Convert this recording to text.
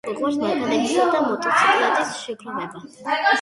უყვარს მანქანებისა და მოტოციკლების შეგროვება.